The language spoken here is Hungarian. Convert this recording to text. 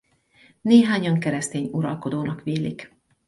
Néhányan keresztény uralkodónak vélik.